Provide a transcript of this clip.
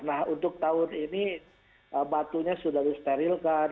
nah untuk tahun ini batunya sudah disterilkan